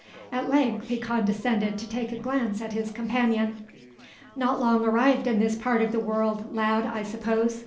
At length he condescended to take a glance at his companion. "Not long arrived in this part of the world, lad, I suppose?"